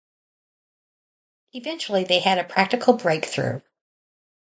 Eventually they had a practical breakthrough.